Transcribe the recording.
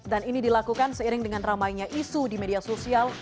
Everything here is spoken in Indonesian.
dan ini dilakukan seiring dengan ramainya isu di media sosial